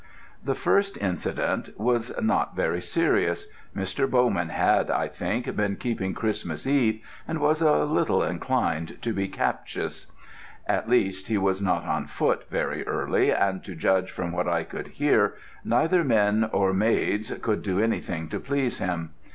The first incident was not very serious. Mr. Bowman had, I think, been keeping Christmas Eve, and was a little inclined to be captious: at least, he was not on foot very early, and to judge from what I could hear, neither men or maids could do anything to please him.